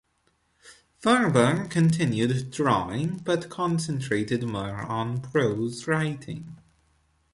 Faerber continued drawing, but concentrated more on prose writing.